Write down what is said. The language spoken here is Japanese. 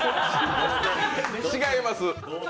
違います。